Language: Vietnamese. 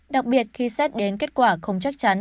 đặc biệt khi xét đến kết quả không chắc chắn